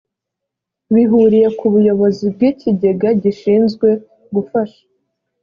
bihuriye ku buyobozi bw’ikigega gishinzwe gufasha